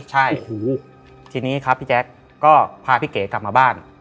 ใช่โอ้โหทีนี้ครับพี่แจ๊คก็พาพี่เก๋กลับมาบ้าน